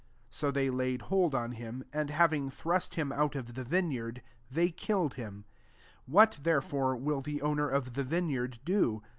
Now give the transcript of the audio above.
8 So they laid hold on him^ and having thrust him out of the vineyard, they killed him, 9 What, therefore, will the own er of the vineyard do